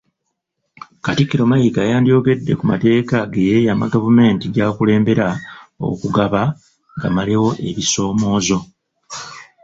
Katikkiro Mayiga yandyogedde ku mateeka ge yeeyama Gavumenti gy'akulembera okubaga, gamalewo ebisoomoozo.